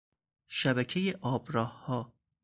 شبکهی آبراهها